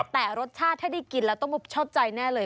แต่รสชาติถ้าได้กินแล้วต้องชอบใจแน่เลย